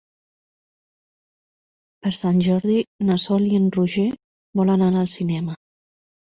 Per Sant Jordi na Sol i en Roger volen anar al cinema.